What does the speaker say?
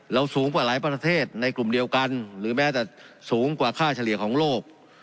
สูงกว่าหลายประเทศในกลุ่มเดียวกันหรือแม้แต่สูงกว่าค่าเฉลี่ยของโลก